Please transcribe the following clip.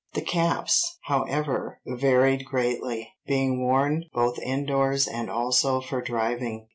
The caps, however, varied greatly, being worn both indoors and also for driving.